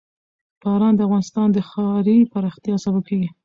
باران د افغانستان د ښاري پراختیا سبب کېږي.